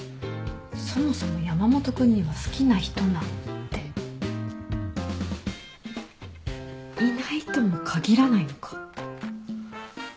そもそも山本君には好きな人なんていないとも限らないのか？